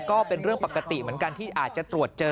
ก็เป็นเรื่องปกติเหมือนกันที่อาจจะตรวจเจอ